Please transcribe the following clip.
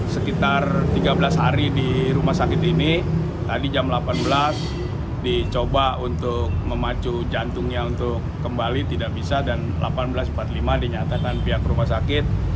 sekitar tiga belas hari di rumah sakit ini tadi jam delapan belas dicoba untuk memacu jantungnya untuk kembali tidak bisa dan delapan belas empat puluh lima dinyatakan pihak rumah sakit